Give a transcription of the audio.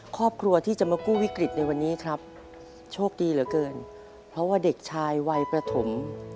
ครอบครัวที่จะมากู้วิกฤตในวันนี้ครับโชคดีเหลือเกินเพราะว่าเด็กชายวัยประถม